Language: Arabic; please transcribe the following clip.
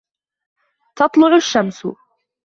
تطلُعُ الشَّمْسُ.